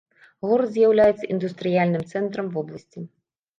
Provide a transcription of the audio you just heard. Горад з'яўляецца індустрыяльным цэнтрам вобласці.